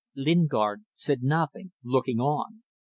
Lingard said nothing, looking on.